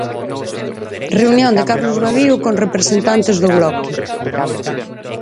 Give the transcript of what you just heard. Reunión de Carlos Babío con representantes do Bloque.